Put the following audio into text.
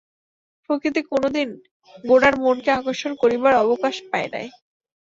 প্রকৃতি কোনোদিন গোরার মনকে আকর্ষণ করিবার অবকাশ পায় নাই।